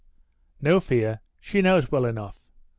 "No fear; she knows well enough.